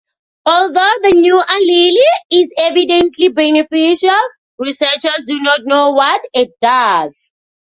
Although the new allele is evidently beneficial, researchers do not know what it does.